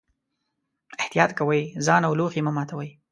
احتیاط کوئ، ځان او لوښي مه ماتوئ.